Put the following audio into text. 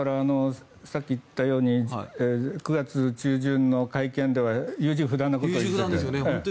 さっき言ったように９月中旬の会見では優柔不断なことを言ってましたね。